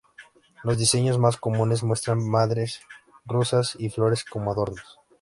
Los diseños más comunes muestran madres rusas y flores como adornos.